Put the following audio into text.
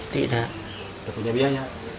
tidak punya biaya